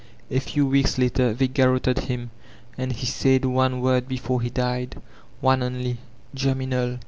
A few weeks later they garrotted him, and he said one word before he died,— one only, "Gemunal."